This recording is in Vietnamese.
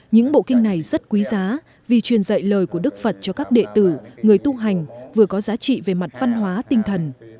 những bộ kinh này rất quý giá vì truyền dạy lời của đức phật cho các đệ tử người tu hành vừa có giá trị về mặt văn hóa tinh thần